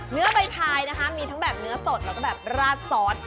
เนื้อใบพายนะคะมีทั้งแบบเนื้อสดแล้วก็แบบราดซอส